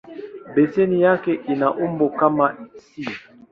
Beseni yake ina umbo kama "S".